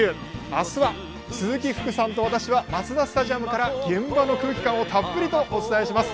明日は、鈴木福さんと私はマツダスタジアムから現場の空気感をたっぷりとお伝えします。